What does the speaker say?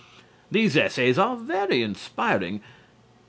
These essays are very inspiring.